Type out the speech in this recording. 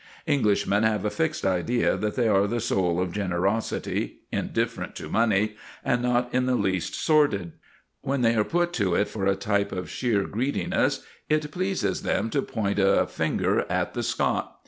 Englishmen have a fixed idea that they are the soul of generosity, indifferent to money, and not in the least sordid. When they are put to it for a type of sheer greediness it pleases them to point a finger at the Scot.